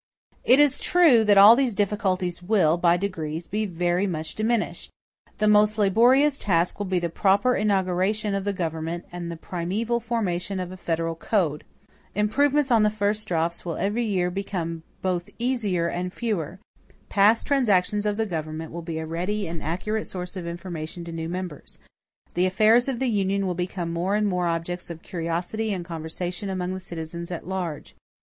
It is true that all these difficulties will, by degrees, be very much diminished. The most laborious task will be the proper inauguration of the government and the primeval formation of a federal code. Improvements on the first draughts will every year become both easier and fewer. Past transactions of the government will be a ready and accurate source of information to new members. The affairs of the Union will become more and more objects of curiosity and conversation among the citizens at large.